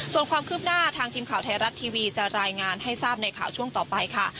ส่วนความคืบหน้าทางทีมข่าวไทยรัฐทีวีจะรายงานให้ทราบในข่าวช่วงต่อไปค่ะ